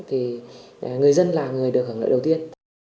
thì người dân là người được hưởng lợi đầu tiên